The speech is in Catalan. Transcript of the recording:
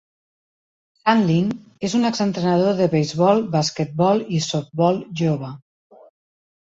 Sandlin és un exentrenador de beisbol, basquetbol i softbol jove.